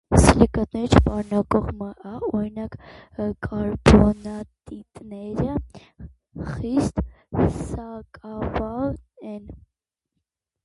Սիլիկատներ չպարունակող Մ.ա. (օրինակ, կարբոնատիտները) խիստ սակավ են։